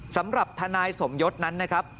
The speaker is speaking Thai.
สำหรับทนายสมยศนั้นนะครับ